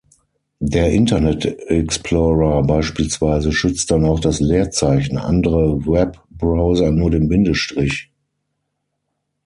Der "Internet Explorer" beispielsweise schützt dann auch das Leerzeichen, andere Webbrowser nur den Bindestrich.